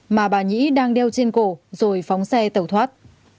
mà bà nhí đang đeo trên cổ rồi phóng xe tẩu thoát